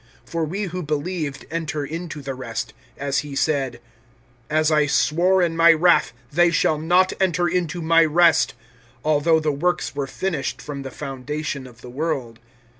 (3)For we who believed enter into the rest, as he said: As I swore in my wrath, they shall not enter into my rest, although the works were finished from the foundation of the world.